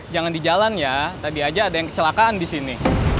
jangan di jalan ya tadi aja ada yang kecelakaan di sini